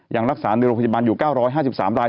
ยังรักษาในโรงพยาบาลอยู่๙๕๓ราย